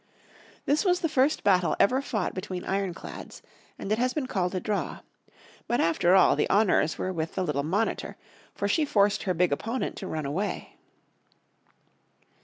This was the first battle ever fought between ironclads and it has been called a draw. But after all the honours were with the little Monitor, for she forced her big opponent to run away.